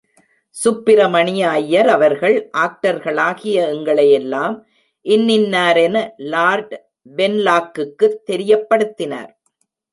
சுப்பிரமணிய ஐயர் அவர்கள், ஆக்டர்களாகிய எங்களையெல்லாம் இன்னின்னாரென லார்ட் வென்லாக்குக்குத் தெரியப்படுத்தினார்.